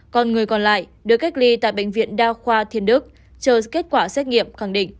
còn người còn lại được cách ly tại bệnh viện đa khoa thiên đức chờ kết quả xét nghiệm khẳng định